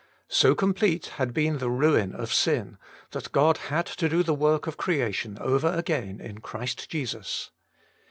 So complete had been the ruin of sin, that God had to do the work of creation over again in Christ Jesus.